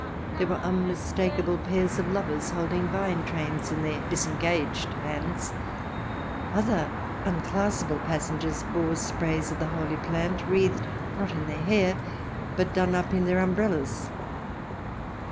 There were unmistak able pairs of lovers holding vine trails in their disengaged hands. Other unclassable passengers bore sprays of the holy plant, wreathed, not in their hair, but done up in their umbrellas.